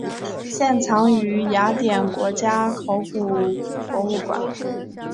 现藏于雅典国家考古博物馆。